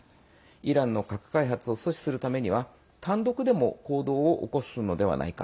イランの核開発を阻止するためには単独でも行動を起こすのではないか。